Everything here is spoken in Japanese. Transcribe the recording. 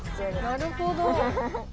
なるほど。